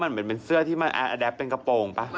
มันเหมือนเป็นเสื้อที่มันแอดแอดแอดเป็นกระโปรงหรือเปล่า